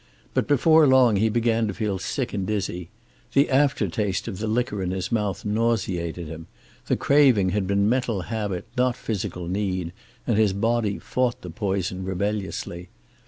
But before long he began to feel sick and dizzy. The aftertaste of the liquor in his mouth nauseated him. The craving had been mental habit, not physical need, and his body fought the poison rebelliously.